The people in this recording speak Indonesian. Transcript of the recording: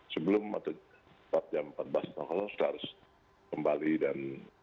sebelum atau jam empat belas kita harus kembali dan